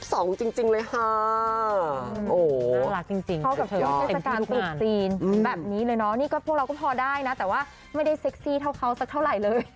โอ้โหน่ารักจริงเขากับทุกที่เต็มที่ทุกข์จีนแบบนี้เลยเนาะพวกเราก็พอได้นะแต่ว่าไม่ได้เซ็กซี่เท่าเขาสักเท่าไหร่เลย